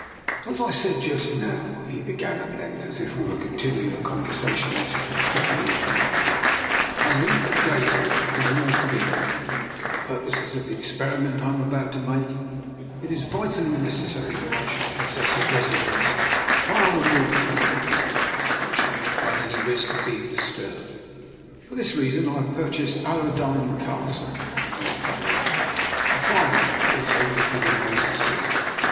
" As I said just now," he began at length, as if we were continuing a conversation which had been suddenly interrupted, " I leave at daybreak for the North of England. For the purposes of the experiment I am about to make, it is vitally necessary that I should pos sess a residence far removed from other peo ple, where I should not run any risk of being disturbed. For this reason I have purchased Allerdeyne Castle, in Northumberland, a fine old place overlooking the North Sea.